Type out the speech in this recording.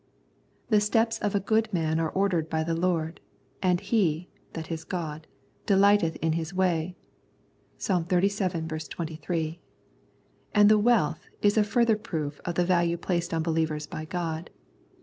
The steps of a good man are ordered hy the Lord : and He (that is, God) delighteth in his way " (Ps. xxxvii. 23). And the " wealth " is a further proof of the value placed on believers hy God.